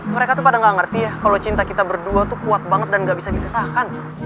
mereka tuh pada gak ngerti ya kalau cinta kita berdua tuh kuat banget dan gak bisa dipisahkan